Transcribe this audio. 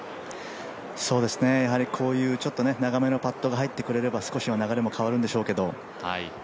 こういう長めのパットが入ってくれれば少しは流れが変わるんでしょうけど。